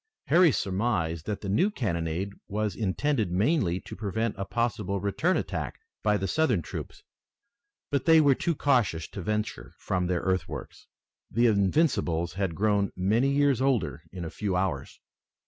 Harry surmised that the new cannonade was intended mainly to prevent a possible return attack by the Southern troops, but they were too cautious to venture from their earthworks. The Invincibles had grown many years older in a few hours.